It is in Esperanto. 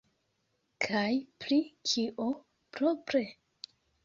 Kaj pri kio, propre?